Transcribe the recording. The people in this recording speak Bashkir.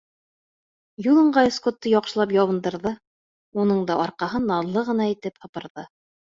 Юл ыңғай Скотты яҡшылап ябындырҙы, уның да арҡаһын наҙлы ғына итеп һыпырҙы.